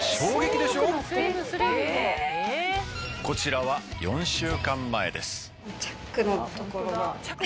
こちらは４週間前です。